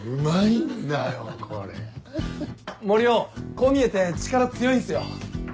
こう見えて力強いんすよ。